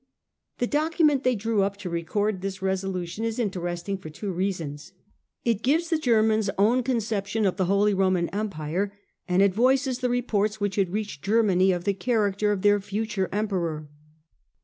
The document they drew up to record this resolution is interesting for two reasons it gives the Germans' own conception of the Holy Roman Empire, and it voices the reports which had reached Germany of the character of their future Emperor.